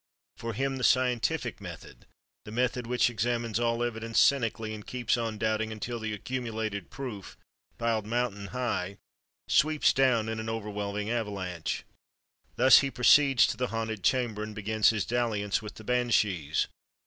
For him the scientific method—the method which examines all evidence cynically and keeps on doubting until the accumulated proof, piled mountain high, sweeps down in an overwhelming avalanche.... Thus he proceeds to the haunted chamber and begins his dalliance with the banshees.